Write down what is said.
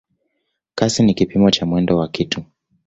Kasi ni kipimo cha mwendo wa kitu.